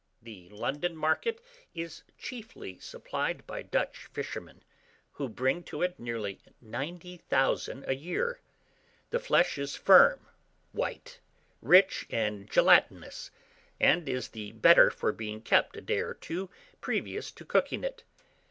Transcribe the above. The London market is chiefly supplied by Dutch fishermen, who bring to it nearly 90,000 a year. The flesh is firm, white, rich, and gelatinous, and is the better for being kept a day or two previous to cooking it.